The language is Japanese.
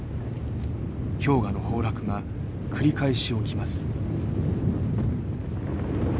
氷河の崩落が繰り返し起きます。